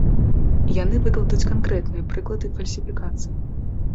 Яны выкладуць канкрэтныя прыклады фальсіфікацый.